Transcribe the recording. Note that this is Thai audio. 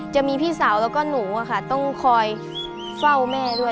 จะมีพี่สาวแล้วก็หนูต้องคอยเฝ้าแม่ด้วย